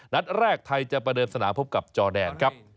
นัดแรกไทยจะประเดิมสนามพบกับจอแดนครับ